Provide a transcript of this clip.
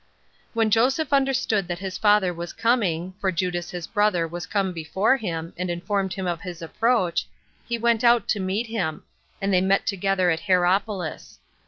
5. When Joseph understood that his father was coming, for Judas his brother was come before him, and informed him of his approach, he went out to meet him; and they met together at Heroopolis.